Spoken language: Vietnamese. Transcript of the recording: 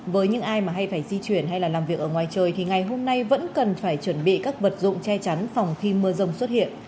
với những ai mà hay phải di chuyển hay là làm việc ở ngoài trời thì ngày hôm nay vẫn cần phải chuẩn bị các vật dụng che chắn phòng khi mưa rông xuất hiện